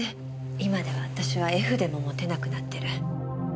今では私は絵筆も持てなくなってる。